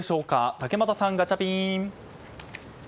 竹俣さん、ガチャピン。